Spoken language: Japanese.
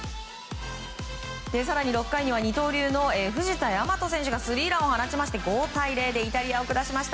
更に６回には二刀流の藤田倭選手がスリーランを放ちまして５対０でイタリアを下しました。